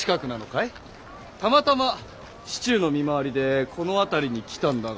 たまたま市中の見回りでこの辺りに来たんだが。